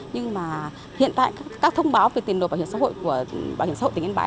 nhưng mà hiện tại các thông báo về tiền nộp bảo hiểm xã hội của bảo hiểm xã hội tỉnh yên bái